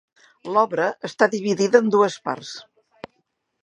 L'obra està dividida en dues parts.